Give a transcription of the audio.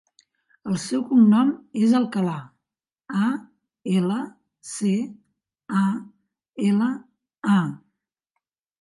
El seu cognom és Alcala: a, ela, ce, a, ela, a.